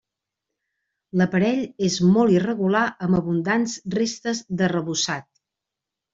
L'aparell és molt irregular amb abundants restes d'arrebossat.